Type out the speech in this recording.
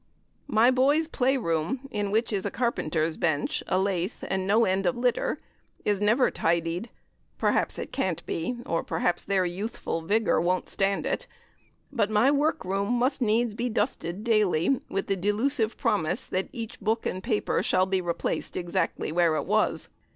My boys' playroom, in which is a carpenter's bench, a lathe, and no end of litter, is never tidied perhaps it can't be, or perhaps their youthful vigour won't stand it but my workroom must needs be dusted daily, with the delusive promise that each book and paper shall be replaced exactly where it was.